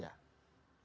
yang di sekitar ikn